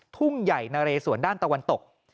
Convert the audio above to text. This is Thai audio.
ทุ่งใหญ่นะเรสวนด้านตะวันตก